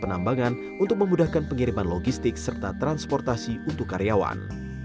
penambangan untuk memudahkan pengiriman logistik serta transportasi untuk karyawan